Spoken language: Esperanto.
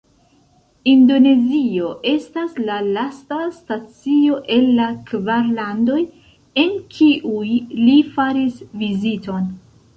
Indonezio estas la lasta stacio el la kvar landoj, en kiuj li faris viziton.